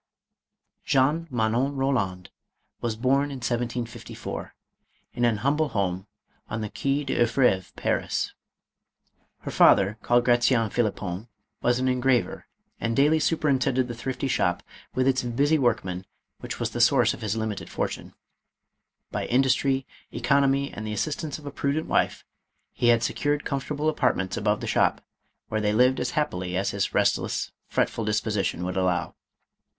Jeanne Manon Eoland was born in 1754, in an hum ble home on the Quai des Orfevres, Paris. Her father, called Gratien Phlippon, was an engraver and daily superintended the thrifty shop with its busy workmen, which was the source of his limited fortune. By in dustry, economy, and the assistance of a prudent wife, he had secured comfortable apartments above the shop, where they lived as happily as his restless, fretful dis position would allow.